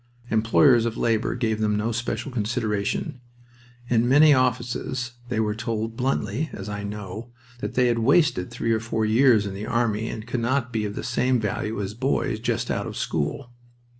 Employers of labor gave them no special consideration. In many offices they were told bluntly (as I know) that they had "wasted" three or four years in the army and could not be of the same value as boys just out of school.